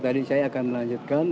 tadi saya akan melanjutkan